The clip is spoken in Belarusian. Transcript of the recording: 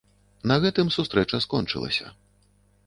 На гэтым сустрэча скончылася.